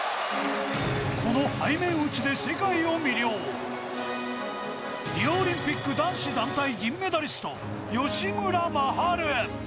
この背面打ちで世界を魅了リオオリンピック男子団体銀メダリスト吉村真晴